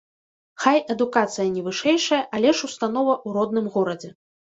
Хай адукацыя не вышэйшая, але ж установа ў родным горадзе.